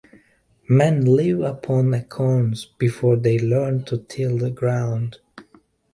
Men lived upon acorns before they learned to till the ground.